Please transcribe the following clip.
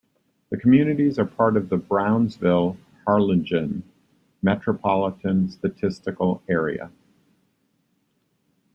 The communities are part of the Brownsville-Harlingen Metropolitan Statistical Area.